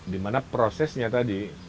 dimana prosesnya tadi